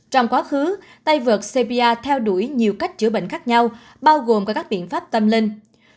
trong quá khứ tay vợt cbia theo đuổi nhiều cách chữa bệnh khác nhau bao gồm có các biện pháp tâm linh